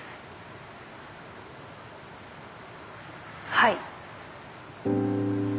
はい。